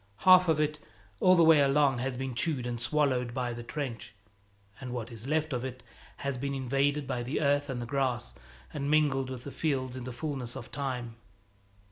Half of it, all the way along, has been chewed and swallowed by the trench; and what is left of it has been invaded by the earth and the grass, and mingled with the fields in the fullness of time.